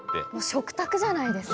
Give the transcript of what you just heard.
食卓じゃないですか。